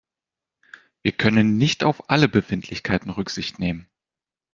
Wir können nicht auf alle Befindlichkeiten Rücksicht nehmen.